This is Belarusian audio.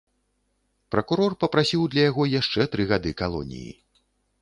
Пракурор папрасіў для яго яшчэ тры гады калоніі.